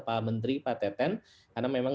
pak menteri pak teten karena memang